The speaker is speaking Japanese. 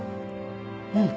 うん。